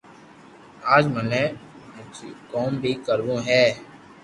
اج مني ڀآجو ڪوم بي ڪروو ھي